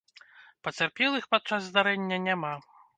Пацярпелых падчас здарэння няма.